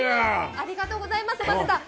ありがとうございます、マスター。